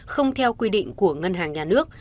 không theo quy định của ngân hàng nhà nước